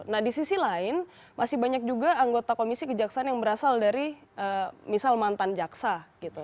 nah di sisi lain masih banyak juga anggota komisi kejaksaan yang berasal dari misal mantan jaksa gitu